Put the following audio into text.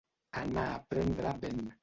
Anar a prendre vent.